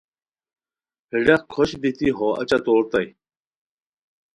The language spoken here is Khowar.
ہے ڈاق کھوشت بیتی ہو اچہ توریتائے